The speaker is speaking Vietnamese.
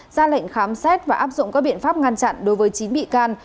ra lệnh khám xét và áp dụng các biện pháp ngăn chặn đối với chín bị can